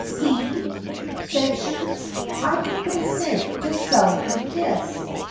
8 See,' said she, ' I have been sent to sell you this !